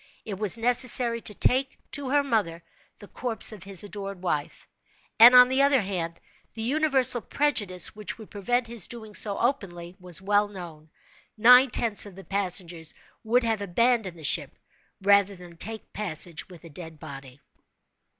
It was necessary to take to her mother the corpse of his adored wife, and, on the other hand, the universal prejudice which would prevent his doing so openly was well known. Nine tenths of the passengers would have abandoned the ship rather than take passage with a dead body.